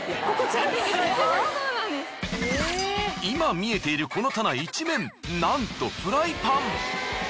今見えているこの棚一面なんとフライパン！